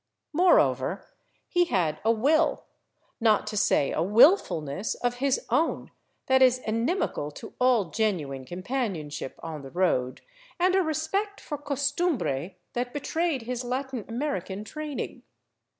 Moreover, he had a will, not to say a wilfulness, of his own that is enimical to all genuine companionship on the road, and a respect for costumbre that betrayed his Latin American training.